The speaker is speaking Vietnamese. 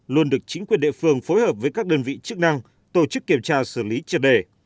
luôn được chính quyền địa phương phối hợp với các đơn vị chức năng tổ chức kiểm tra xử lý triệt đề